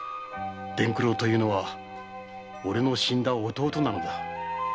伝九郎というのはオレの死んだ弟なのだ。